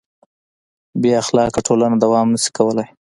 بېاخلاقه ټولنه دوام نهشي کولی.